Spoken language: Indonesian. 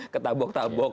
kecubit ke tabok tabok ya